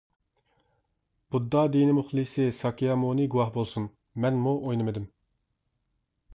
بۇددا دىنى مۇخلىسى :-ساكيامۇنى گۇۋاھ بولسۇن مەنمۇ ئوينىمىدىم.